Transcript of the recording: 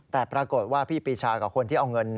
แต่ปรากฏว่าพี่ปีชากับคนที่